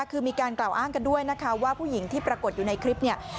คือมีการกล่าวอ้างกันด้วยนะคะว่าผู้หญิงที่ปรากฏอยู่ในคลิปเนี่ย